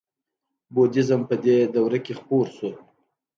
بودیزم په دې دوره کې خپور شو